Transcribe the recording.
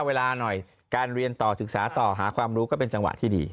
เวลาหน่อยการเรียนต่อศึกษาต่อหาความรู้ก็เป็นจังหวะที่ดี